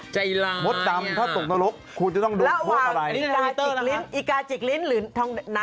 ใจร้ายอ่ะมดตำถ้าตกนรกควรจะต้องโดนโทษอะไรระหว่างอีกราจิกลิ้นหรือทองนัก